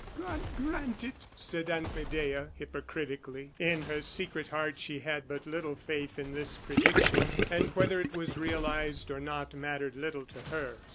"God grant it!" said Aunt Medea, hypocritically. In her secret heart she had but little faith in this prediction, and whether it was realized or not mattered little to her.